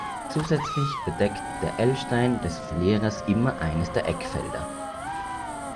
Zusätzlich bedeckt der L-Stein des Verlierers immer eines der Eckfelder.